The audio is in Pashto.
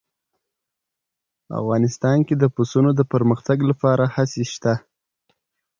افغانستان کې د پسونو د پرمختګ لپاره هڅې شته.